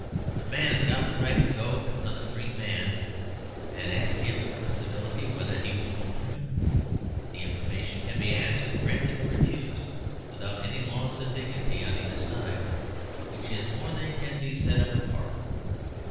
But a man has got the right to go to another free man and ask him with civility whether he will vote for him. The information can be asked, granted, or refused without any loss of dignity on either side, which is more than can be said of a park.